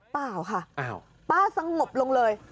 เปล่าค่ะป้าสงบลงเลย